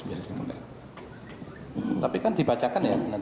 tapi kan dibacakan ya